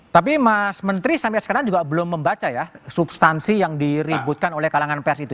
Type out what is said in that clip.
tapi mas menteri sampai sekarang juga belum membaca ya substansi yang diributkan oleh kalangan pers itu